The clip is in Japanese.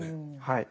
はい。